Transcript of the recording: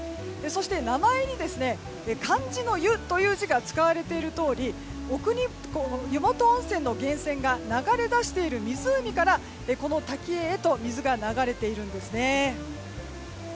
そして、名前に漢字の湯という字が使われているとおり奥日光の湯元温泉の源泉が流れ出している湖からこの滝へと水が流れているんですね。